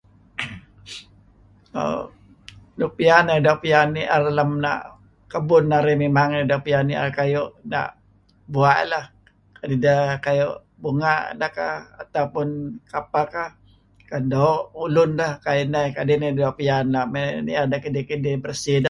err nuk piyan narih do' piyan narih ni'er lem kebun narih memang narih d'piyan ni'er kayu' bua', ideh kayu' bunga' ideh kah atau pun apa kah, kan doo' ulun deh kayu' ineh eh kadi' neh narih doo' piyan mey ni'er deh kidih-kidih, bersih deh.